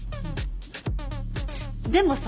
でもさ。